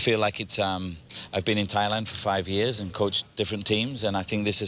เมื่อเมื่อที่เกม๒ปีมาชูลล่ะลั้นที่๕๑